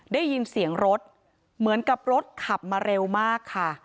ได้ยินเสียงรถเหมือนกับรถขับมาเร็วมากค่ะ